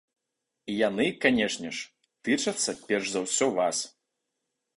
І яны, канешне ж, тычацца перш за ўсё вас.